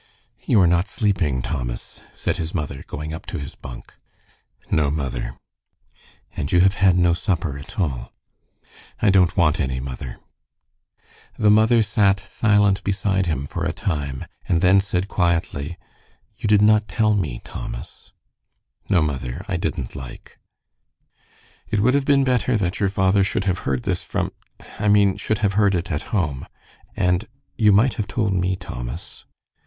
"You are not sleeping, Thomas," said his mother, going up to his bunk. "No, mother." "And you have had no supper at all." "I don't want any, mother." The mother sat silent beside him for a time, and then said, quietly, "You did not tell me, Thomas." "No, mother, I didn't like." "It would have been better that your father should have heard this from I mean, should have heard it at home. And you might have told me, Thomas."